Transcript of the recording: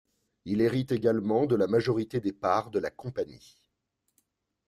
Il hérite également de la majorité des parts de la compagnie.